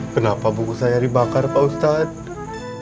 kenapa buku saya dibakar pak ustadz